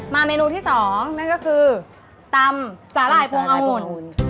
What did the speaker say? เมนูที่๒นั่นก็คือตำสาหร่ายพวงอังุ่น